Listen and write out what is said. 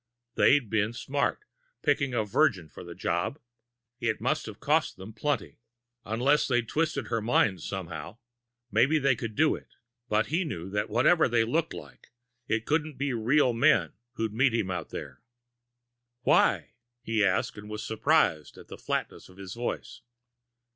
They'd been smart, picking a virgin for the job. It must have cost them plenty, unless they'd twisted her mind somehow. Maybe they could do it. But he knew that whatever they looked like, it couldn't be real men who'd meet him out there. "Why?" he asked, and was surprised at the flatness of his voice.